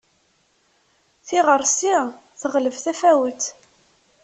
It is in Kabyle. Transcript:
Tiɣɣersi teɣleb tafawet.